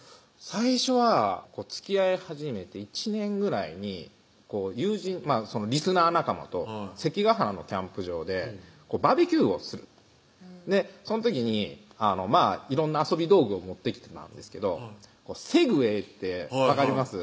最初はつきあい始めて１年ぐらいにリスナー仲間と関ケ原のキャンプ場でバーベキューをするその時に色んな遊び道具を持ってきてたんですけど「セグウェイ」って分かります？